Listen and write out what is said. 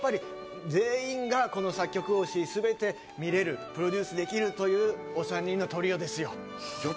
全員が作曲をし、全てプロデュースできるというお三方のトリオですよ。